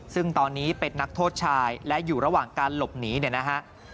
ซึ่งตอนนี้เป็นนักโทษชายและอยู่ระหว่างการหลบหนีเนี่ยนะฮะ